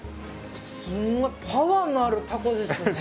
すごいパワーのあるタコですね。